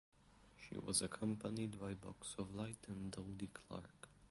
She was accompanied by Box of Light and Dodie Clark.